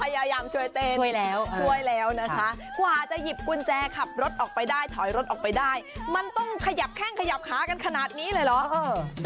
พยายามช่วยเต้นช่วยแล้วช่วยแล้วนะคะกว่าจะหยิบกุญแจขับรถออกไปได้ถอยรถออกไปได้มันต้องขยับแข้งขยับขากันขนาดนี้เลยเหรอ